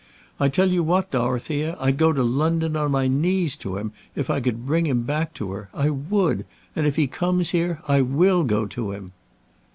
I tell you what, Dorothea, I'd go to London, on my knees to him, if I could bring him back to her! I would. And if he comes here, I will go to him."